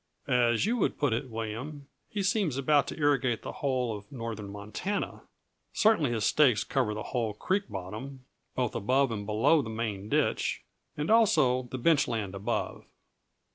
As you would put it, William, he seems about to irrigate the whole of northern Montana; certainly his stakes cover the whole creek bottom, both above and below the main ditch, and also the bench land above."